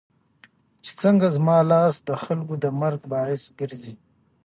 چې څنګه زما لاس دخلکو د مرګ باعث ګرځي